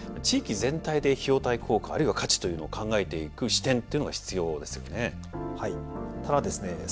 地域全体で費用対効果あるいは価値というのを考えていく視点っていうのが必要ですよね。